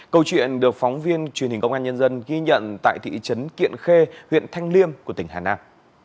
câu chuyện được phóng viên truyền hình công an nhân dân ghi nhận tại thị trấn kiện khê huyện thanh liêm của tỉnh hà nam